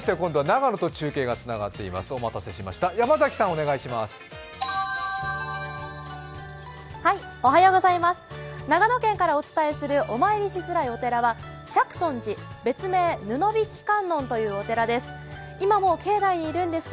長野県からお伝えするお参りしづらいお寺は釈尊寺、別名・布引観音というお寺です。